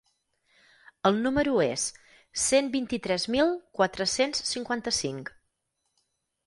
El numero és: cent vint-i-tres mil quatre-cents cinquanta-cinc.